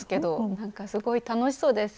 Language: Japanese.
なんかすごい楽しそうです。